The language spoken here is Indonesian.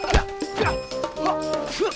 curang lu ya